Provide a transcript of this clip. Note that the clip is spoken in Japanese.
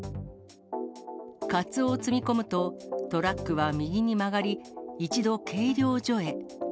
カツオを積み込むと、トラックは右に曲がり、一度、計量所へ。